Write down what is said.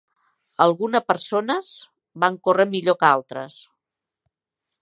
Alguna persones van córrer millor que altres.